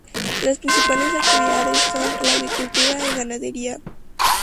Las principales actividades son: la agricultura y ganadería.